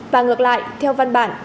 và ngược lại theo văn bản